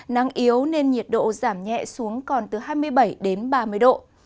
nắng yếu nên nhiệt độ giảm nhẹ xuống còn từ hai mươi bảy đến ba mươi độ